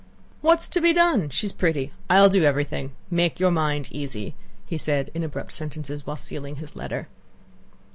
"What's to be done? She's pretty! I will do everything. Make your mind easy," said he in abrupt sentences while sealing his letter.